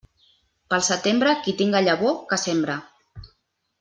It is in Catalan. Pel setembre, qui tinga llavor, que sembre.